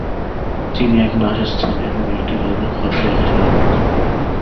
তিনি এক বাসস্থান এবং একটি জাদুঘর দেখাশোনা করতেন।